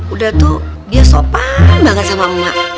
udah tuh dia sopan banget sama emak